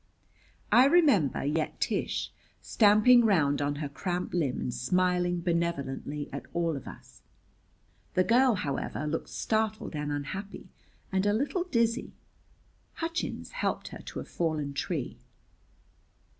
I remember yet Tish, stamping round on her cramped limb and smiling benevolently at all of us. The girl, however, looked startled and unhappy, and a little dizzy. Hutchins helped her to a fallen tree.